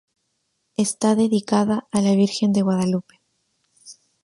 Está dedicada a la Virgen de Guadalupe.